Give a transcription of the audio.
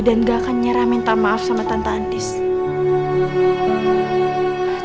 dan gak akan nyerah minta maaf sama tante anja